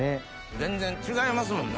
全然違いますもんね